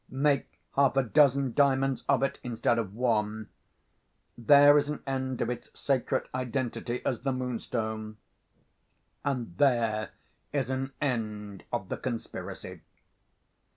Make half a dozen diamonds of it, instead of one. There is an end of its sacred identity as The Moonstone—and there is an end of the conspiracy."